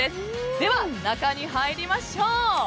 では、中に入りましょう！